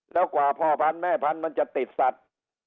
แล้วกว่าพ่อพันธุแม่พันธุ์มันจะติดสัตว์